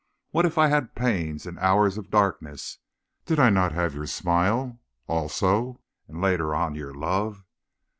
What if I had pains and hours of darkness, did I not have your smile, also, and, later on, your love?